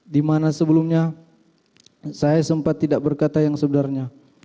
dimana sebelumnya saya sempat tidak berkata yang sebenarnya